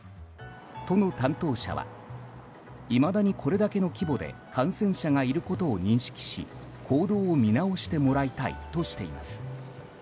都の担当者はいまだにこれだけの規模で感染者がいることを認識し行動を見直してもらいたいとしています。